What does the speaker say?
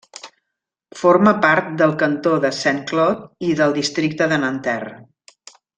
Forma part del cantó de Saint-Cloud i del districte de Nanterre.